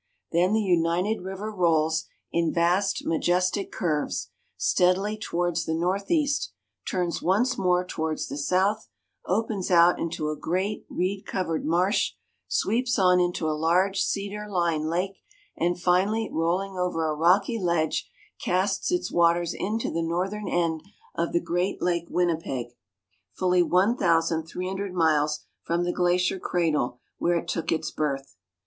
Then the united river rolls, in vast, majestic curves, steadily towards the north east, turns once more towards the south, opens out into a great reed covered marsh, sweeps on into a large cedar lined lake, and finally, rolling over a rocky ledge, casts its waters into the northern end of the great Lake Winnipeg, fully one thousand three hundred miles from the glacier cradle where it took its birth.